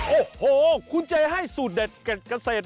โอ้โหคุณเจให้สูตรเด็ดเก็ดเกษตร